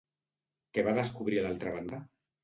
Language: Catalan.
Què va descobrir a l'altra banda?